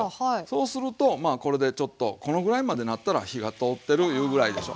そうするとまあこれでちょっとこのぐらいまでなったら火が通ってるいうぐらいでしょ。